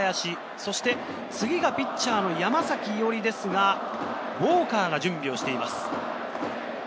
そして次がピッチャーの山崎伊織ですが、ウォーカーが準備をしています。